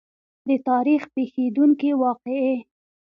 د تاریخ پېښېدونکې واقعې.